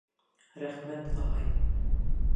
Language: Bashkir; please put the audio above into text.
Рәхмәт, ағай!